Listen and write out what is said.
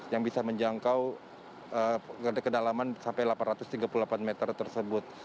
yang bisa menjangkau kedalaman sampai delapan ratus tiga puluh delapan meter tersebut